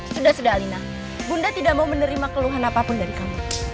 sudah sudah alina bunda tidak mau menerima keluhan apapun dari kamu